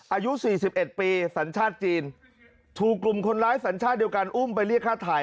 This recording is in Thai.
อายุ๔๑ปีสัญชาติจีนถูกกลุ่มคนร้ายสัญชาติเดียวกันอุ้มไปเรียกค่าถ่าย